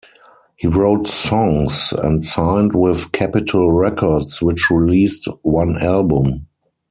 He wrote songs and signed with Capitol Records, which released one album.